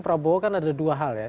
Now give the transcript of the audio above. prabowo kan ada dua hal ya